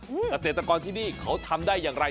เกษตรกรที่นี่เขาทำได้อย่างไร